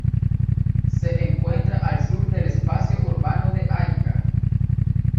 Se encuentra al sur del espacio urbano de Arica.